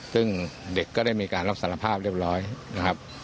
ซึ่งเด็กก็ได้มีการรับสารภาพเรียบร้อยนะครับ